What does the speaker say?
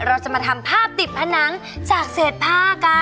เราจะมาทำภาพติดผนังจากเศษผ้ากัน